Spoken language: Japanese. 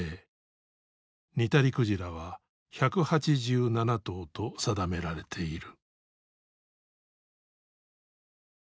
ニタリクジラは１８７頭と定められている。